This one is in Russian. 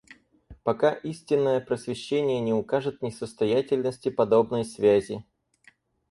Пока истинное просвещение не укажет несостоятельности подобной связи.